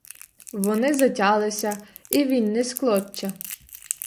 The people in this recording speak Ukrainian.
Вони затялися — і він не з клоччя.